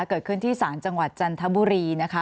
เกิดขึ้นที่ศาลจังหวัดจันทบุรีนะคะ